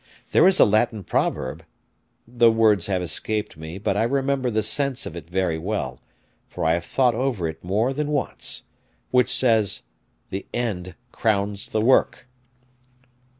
There is a Latin proverb the words have escaped me, but I remember the sense of it very well, for I have thought over it more than once which says, 'The end crowns the work!